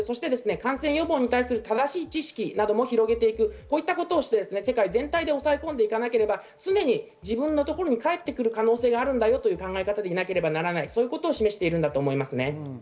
感染予防に対する正しい知識なども広げていく、こういうことをして世界連帯で抑え込んでいかなければ、常に自分のところにかえってくる可能性があるという考え方でいなければならないということを示しています。